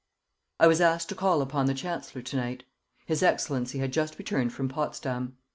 I was asked to call upon the Chancellor to night. His Excellency had just returned from Potsdam.